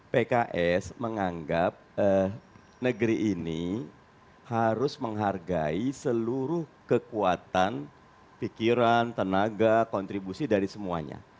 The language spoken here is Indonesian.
pks menganggap negeri ini harus menghargai seluruh kekuatan pikiran tenaga kontribusi dari semuanya